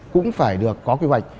cũng phải được có quy hoạch